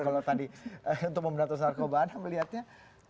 kalau tadi untuk memberantas narkoba anda melihatnya